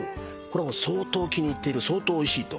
相当気に入っている相当おいしいと？